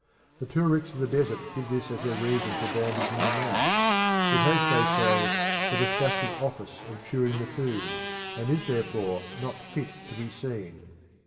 The Tuaricks of the desert give this as their reason for bandaging the mouth; it has, they say, the disgusting office of chewing the food, and is therefore not fit to be seen.